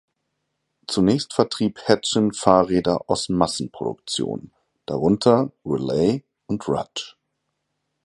Zunächst vertrieb Hetchin Fahrräder aus Massenproduktion, darunter Raleigh und Rudge.